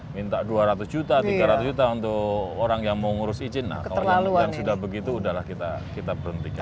minta dua ratus juta tiga ratus juta untuk orang yang mau ngurus izin nah kalau yang sudah begitu udahlah kita berhentikan